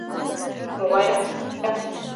— Могайрак?..